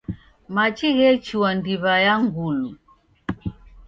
Machi ghechua ndiw'a ya Ngulu.